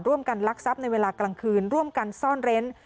ลักทรัพย์ในเวลากลางคืนร่วมกันซ่อนเร้น